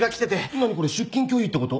何これ出勤拒否ってこと？